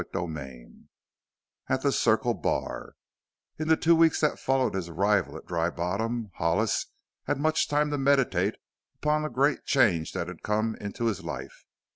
CHAPTER IV AT THE CIRCLE BAR In the two weeks that followed his arrival at Dry Bottom, Hollis had much time to meditate upon the great change that had come into his life.